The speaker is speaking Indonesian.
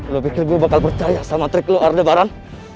lo pikir gue bakal percaya sama trik lo ardebaran